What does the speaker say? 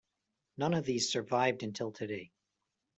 None of these survived until today.